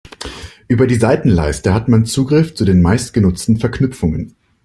Über die Seitenleiste hat man Zugriff zu den meistgenutzten Verknüpfungen.